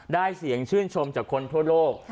เสียงชื่นชมจากคนทั่วโลก